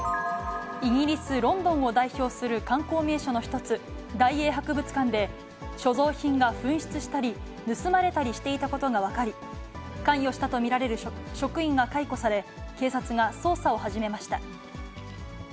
イギリス・ロンドンを代表する観光名所の一つ、大英博物館で、所蔵品が紛失したり盗まれたりしていたことが分かり、関与したと見られる職員が解雇され、警察が捜査を始めました。